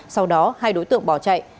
sau đó hai đối tượng bỏ chạy